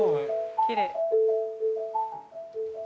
きれい。